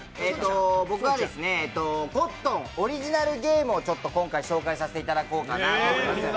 僕はコットンオリジナルゲームを今回ご紹介させていただこうかなと思います。